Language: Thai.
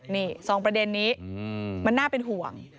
นี่๒ประเด็นนี้มันน่าเป็นห่วง